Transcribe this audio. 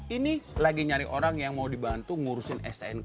ini lagi nyari orang yang mau dibantu ngurusin stnk